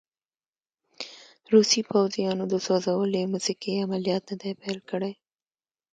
روسي پوځیانو د سوځولې مځکې عملیات نه دي پیل کړي.